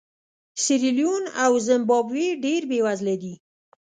سیریلیون او زیمبابوې ډېر بېوزله دي.